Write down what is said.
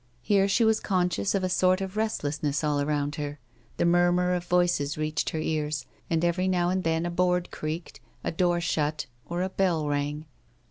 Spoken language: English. Here she was con scious of a sort of restlessness all around her ; the murmur of voices reached her ears, and every now and then a board creaked, a door shut, or a bell rang.